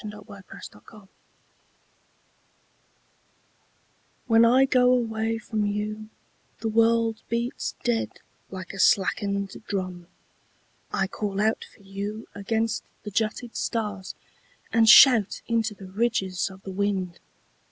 The Taxi When I go away from you The world beats dead Like a slackened drum. I call out for you against the jutted stars And shout into the ridges of the wind.